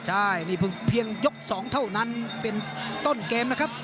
ใช่นี่เพิ่งเพียงยก๒เท่านั้นเป็นต้นเกมนะครับ